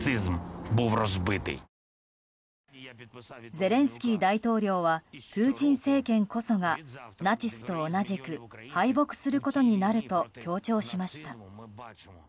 ゼレンスキー大統領はプーチン政権こそがナチスと同じく敗北することになると強調しました。